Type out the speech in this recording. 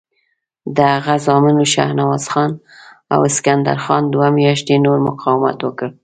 د هغه زامنو شهنواز خان او سکندر خان دوه میاشتې نور مقاومت وکړ.